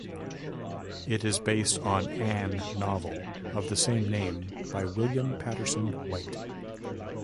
It is based on an novel of the same name by William Patterson White.